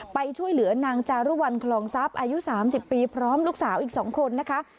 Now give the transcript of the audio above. ไปช่วยเหลือนางจารุวัลคลองทรัพย์อายุ๓๐ปีพร้อมลูกสาวอีก๒คนนะคะ